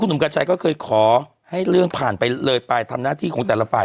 หนุ่มกัญชัยก็เคยขอให้เรื่องผ่านไปเลยไปทำหน้าที่ของแต่ละฝ่าย